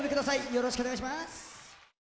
よろしくお願いします。